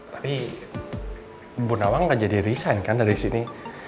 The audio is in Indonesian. tapi bu nawang gak jadi resign kan dari sini